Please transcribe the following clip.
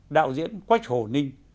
đạo diễn quách hồ ninh